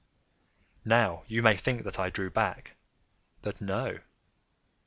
Now you may think that I drew back—but no.